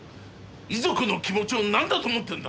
遺族の気持ちをなんだと思ってんだ！？